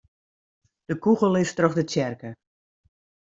De kûgel is troch de tsjerke.